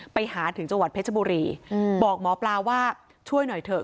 ไปหาถึงจังหวัดเพชรบุรีบอกหมอปลาว่าช่วยหน่อยเถอะ